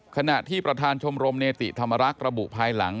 ขณะที่ประธานชมรมเนติธรรมรักษ์ระบุภายหลัง